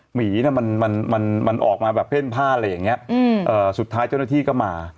หมีน่ะมันมันออกมาแบบเพ่นผ้าอะไรอย่างนี้สุดท้ายเจ้าหน้าที่ก็มา